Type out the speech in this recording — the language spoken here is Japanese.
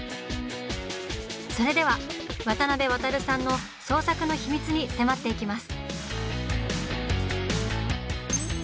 それでは渡辺航さんの創作の秘密に迫っていきます！